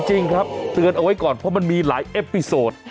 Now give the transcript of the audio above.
จริงครับเตือนเอาไว้ก่อนเพราะมันมีหลายเอฟพิโซด